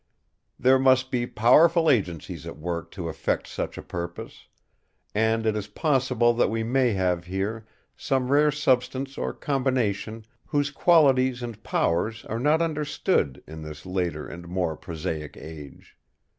There must be powerful agencies at work to effect such a purpose; and it is possible that we may have here some rare substance or combination whose qualities and powers are not understood in this later and more prosaic age.